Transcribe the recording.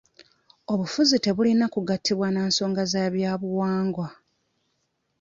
Obufuzi tebulina kugatibwa na nsonga za bya buwangwa.